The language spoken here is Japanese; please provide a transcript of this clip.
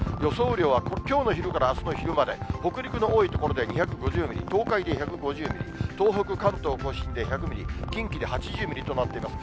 雨量はきょうの昼からあすの昼まで、北陸の多い所で２５０ミリ、東海で１５０ミリ、東北、関東甲信で１００ミリ、近畿で８０ミリとなっています。